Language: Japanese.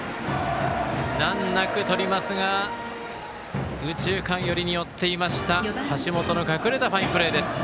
なんなくとりますが右中間寄りに寄っていました橋本のファインプレーです。